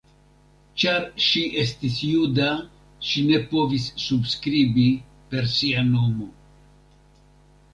Ĉar ŝi estis juda ŝi ne povis subskribi per sia nomo.